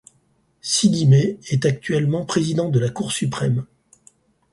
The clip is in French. Sidimé est actuellement président de la Cour suprême.